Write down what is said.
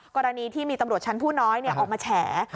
กรณีที่มีตำรวจชั้นผู้น้อยออกมาแฉ